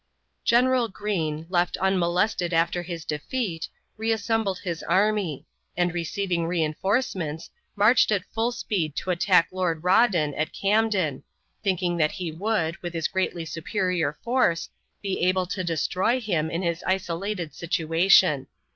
General Greene, left unmolested after his defeat, reassembled his army, and receiving re enforcements, marched at full speed to attack Lord Rawdon at Camden, thinking that he would, with his greatly superior force, be able to destroy him in his isolated situation.